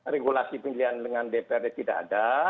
regulasi pilihan dengan dprd tidak ada